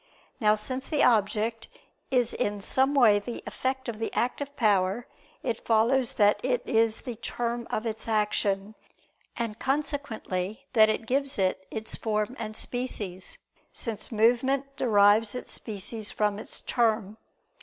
Now since the object is in some way the effect of the active power, it follows that it is the term of its action, and consequently that it gives it its form and species, since movement derives its species from its term.